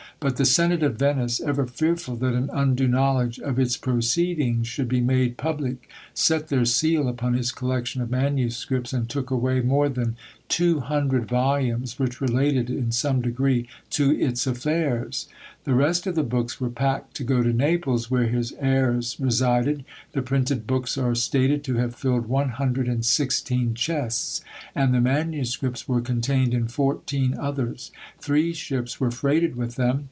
But the Senate of Venice, ever fearful that an undue knowledge of its proceedings should be made public, set their seal upon his collection of manuscripts, and took away more than two hundred volumes which related in some degree to its affairs. The rest of the books were packed to go to Naples, where his heirs resided. The printed books are stated to have filled one hundred and sixteen chests, and the manuscripts were contained in fourteen others. Three ships were freighted with them.